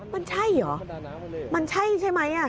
มันใช่เหรอมันใช่ใช่ไหม